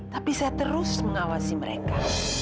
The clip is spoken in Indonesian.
tapi saya terus mengawasi mereka